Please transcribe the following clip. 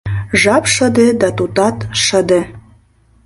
— Жап шыде, да тудат шыде.